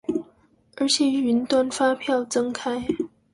而且雲端發票增開